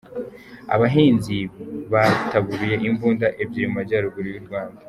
Abahinzi bataburuye imbunda ebyiri mumajyaruguru y’u Rwanda